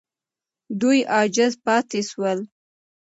دوی عاجز پاتې سول.